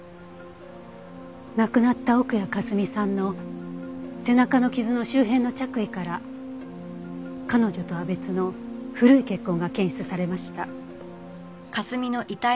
亡くなった奥谷香澄さんの背中の傷の周辺の着衣から彼女とは別の古い血痕が検出されました。